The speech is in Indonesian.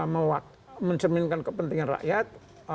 mewak mencerminkan kepentingan rakyat